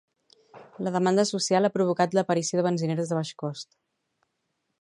La demanda social ha provocat l'aparició de benzineres de baix cost.